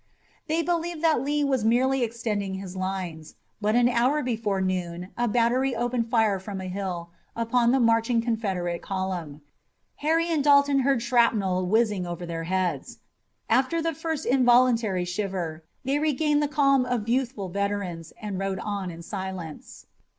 They believed that Lee was merely extending his lines, but an hour before noon a battery opened fire from a hill upon the marching Confederate column. Harry and Dalton heard shrapnel whizzing over their heads. After the first involuntary shiver they regained the calm of youthful veterans and rode on in silence.